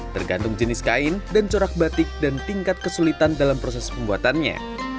tergantung jenis kain dan corak batik dan tingkat kesulitan dalam proses pembuatannya